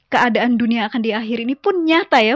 keadaan dunia akan diakhiri ini pun nyata ya